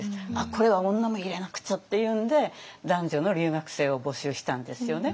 これは女も入れなくちゃっていうんで男女の留学生を募集したんですよね。